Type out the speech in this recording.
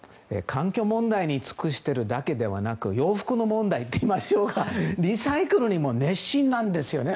環境問題に尽くしているだけでなく洋服問題といいましょうかリサイクルにも熱心なんですよね。